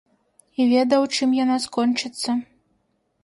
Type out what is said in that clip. І ведаў, чым яна скончыцца.